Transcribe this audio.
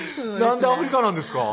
なんでアフリカなんですか？